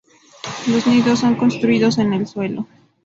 Los nidos son construidos en el suelo.